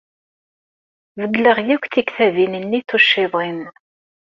Beddleɣ akk tikbabin-nni tucciḍin.